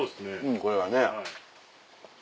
これはね。